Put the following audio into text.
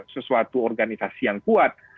sesuatu organisasi yang kuat